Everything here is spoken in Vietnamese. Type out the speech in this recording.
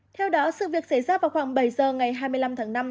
theo đó sự việc xảy ra vào khoảng bảy giờ ngày hai mươi năm tháng năm năm hai nghìn bốn